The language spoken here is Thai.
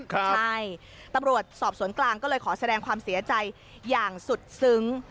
ใช่ตำรวจสอบสวนกลางก็เลยขอแสดงความเสียใจอย่างสุดซึ้ง